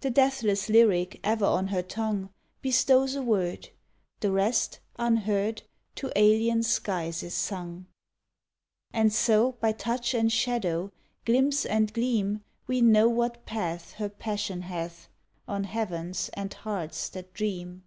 The deathless lyric ever on her tongue Bestows a word; The rest, unheard, To alien skies is sung. And so by touch and shadow, glimpse and gleam, We know what path Her passion hath On heavens and hearts that dream.